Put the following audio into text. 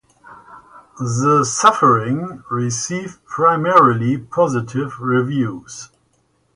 "The Suffering" received primarily positive reviews.